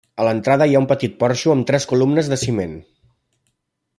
A l'entrada hi ha un petit porxo amb tres columnes de ciment.